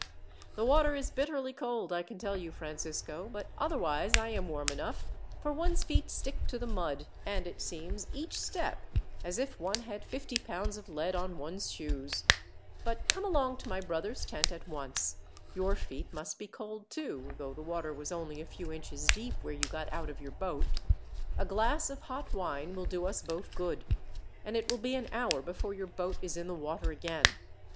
"The water is bitterly cold, I can tell you, Francisco; but otherwise I am warm enough, for one's feet stick to the mud, and it seems, each step, as if one had fifty pounds of lead on one's shoes. But come along to my brother's tent at once. Your feet must be cold, too, though the water was only a few inches deep where you got out of your boat. A glass of hot wine will do us both good; and it will be an hour before your boat is in the water again.